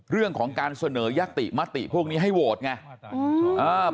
เรื่องของการเสนอยติมติพวกนี้ให้โหวตไง